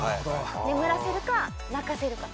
眠らせるか泣かせるか。